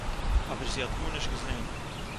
אָבער זי האָט גאָרנישט געזען